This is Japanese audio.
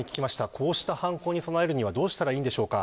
こうした犯行に備えるにはどうしたらいいんでしょうか。